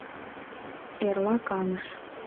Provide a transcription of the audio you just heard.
Эрла каныш...